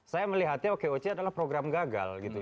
saya melihatnya oke oce adalah program gagal gitu